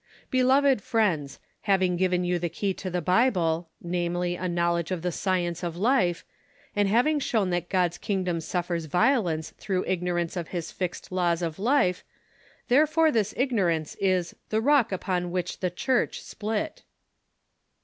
Beloved friends, having given you the key to the Bible, namely, a knowledge of the science of life; and having shown that God's kingdom suffers violence through igno rance of his fixed laws of life ; therefore this ignorance is the "Rock upon which 'The Church ' Split."